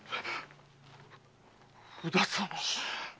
宇田様！